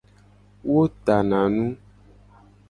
Wo tana nu.